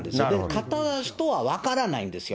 買った人は分からないんですよ。